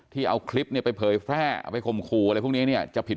เอาคลิปเนี่ยไปเผยแพร่เอาไปคมคู่อะไรพวกนี้เนี่ยจะผิด